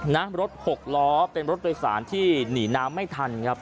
น้ำรถ๖ล้อเป็นรถโดยศาลที่หนีน้ำไม่ทัน